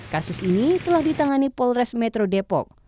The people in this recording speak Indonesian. kasus ini telah ditangani polres metro depok